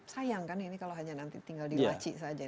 sayang kan ini kalau nanti tinggal di laci saja